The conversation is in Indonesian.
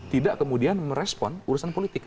tidak kemudian merespon urusan politik